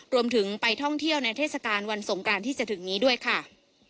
รวมถึงไปท่องเที่ยวในเทศกาลวันสงกรานที่จะถึงนี้ด้วยค่ะ